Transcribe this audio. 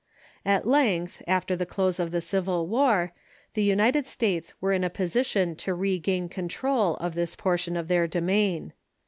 At length, after the close of the Civil War, the United States were in a position to regain control of this portion of their domain.